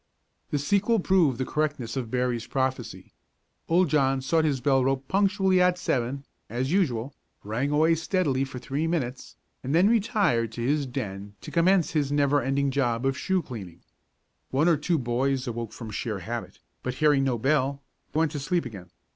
The sequel proved the correctness of Berry's prophecy. Old John sought his bell rope punctually at seven, as usual, rang away steadily for three minutes, and then retired to his den to commence his never ending job of shoe cleaning. One or two boys awoke from sheer habit, but, hearing no bell, went to sleep again.